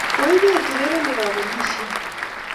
Koibet urerenik kapelishet